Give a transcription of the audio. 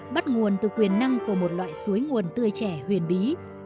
bắt nguồn từ quyền năng của một loại suối nguồn tươi trẻ huyền bí